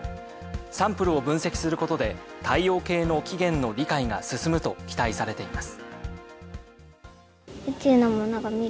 サンプルを分析することで、太陽圏の起源の理解が進むと期待されています。